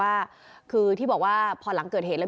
พี่อุ๋ยพ่อจะบอกว่าพ่อจะรับผิดแทนลูก